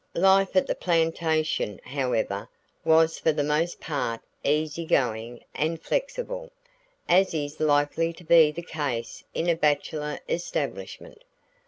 Life at the plantation, however, was for the most part easy going and flexible, as is likely to be the case in a bachelor establishment.